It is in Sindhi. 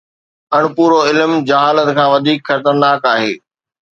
اڻپورو علم جهالت کان وڌيڪ خطرناڪ آهي.